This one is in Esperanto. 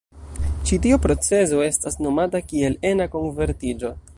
Ĉi tio procezo estas nomata kiel ena konvertiĝo.